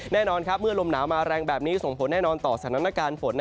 แน่นอนเมื่อลมหนาวมาแรงแบบนี้ส่งผลแน่นอนต่อสถานการณ์ฝน